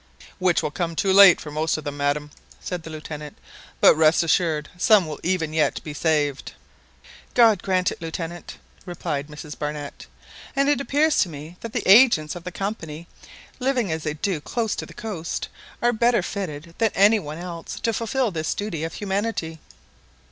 "Which will come too late for most of them, madam," said the Lieutenant; "but rest assured some will even yet be saved." "God grant it, Lieutenant!" replied Mrs Barnett; "and it appears to me that the agents of the Company, living as they do close to the coast, are better fitted than any one else to fulfil this duty of humanity."